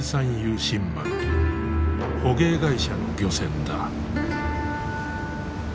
捕鯨会社の漁船だ。